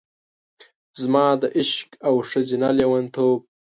زما د عشق او ښځینه لیونتوب،